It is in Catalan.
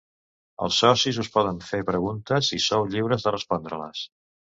Els socis us poden fer preguntes i sou lliures de respondre-les.